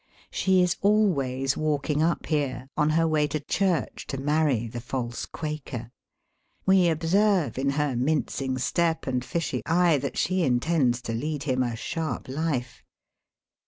She is always walking up here, on her way to church to marry the false Quaker. We observe in her mincing step and fishy eye that she intends to lead him a sharp life.